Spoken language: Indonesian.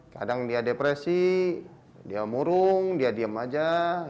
kadang dia depresi dia murung dia diem aja